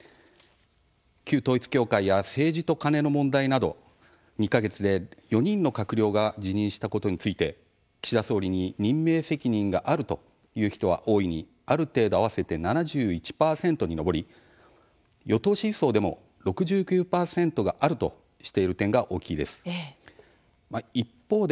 旧統一教会や政治と金の問題など２か月で４人の閣僚が辞任したことについて岸田総理に任命責任が「ある」という人は「大いに」「ある程度」合わせて７１％に上り与党支持層でも６９％が「ある」としている点が大きいです。